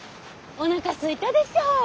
おなかすいたでしょ。